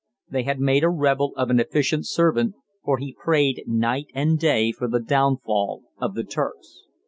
They had made a rebel of an efficient servant, for he prayed night and day for the downfall of the Turks.